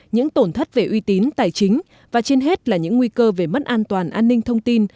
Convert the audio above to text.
những tổn thất về uy tín tài chính và trên hết là những nguy cơ về mất an toàn an ninh thông tin